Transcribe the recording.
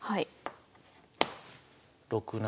６七